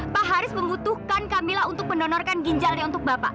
pak haris membutuhkan kamila untuk mendonorkan ginjalnya untuk bapak